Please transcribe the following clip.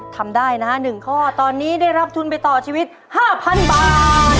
ทำได้นะฮะ๑ข้อตอนนี้ได้รับทุนไปต่อชีวิต๕๐๐๐บาท